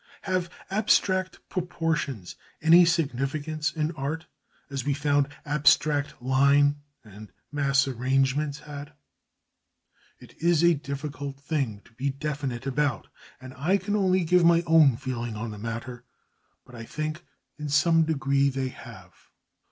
Have abstract proportions any significance in art, as we found abstract line and mass arrangements had? It is a difficult thing to be definite about, and I can only give my own feeling on the matter; but I think in some degree they have.